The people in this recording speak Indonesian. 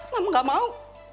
hah mama gak mau